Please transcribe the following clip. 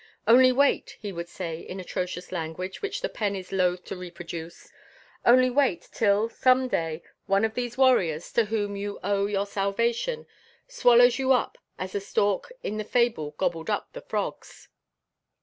'Only wait,' he would say in atrocious language which the pen is loath to reproduce, 'only wait till, some day, one of these warriors, to whom you owe your salvation, swallows you all up as the stork in the fable gobbled up the frogs.'